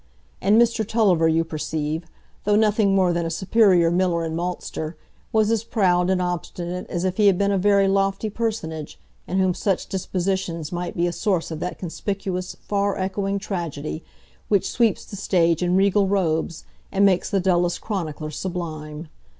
And Mr Tulliver, you perceive, though nothing more than a superior miller and maltster, was as proud and obstinate as if he had been a very lofty personage, in whom such dispositions might be a source of that conspicuous, far echoing tragedy, which sweeps the stage in regal robes, and makes the dullest chronicler sublime.